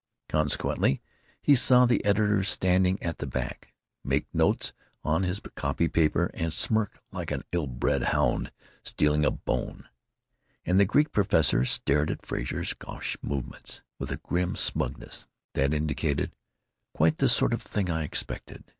Consequently he saw the editor, standing at the back, make notes on his copy paper and smirk like an ill bred hound stealing a bone. And the Greek professor stared at Frazer's gauche movements with a grim smugness that indicated, "Quite the sort of thing I expected."